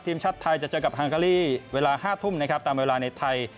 ทีมชาติไทยจะเจอกับฮังการีเวลา๕ทุ่มนะครับตามเวลาในไทย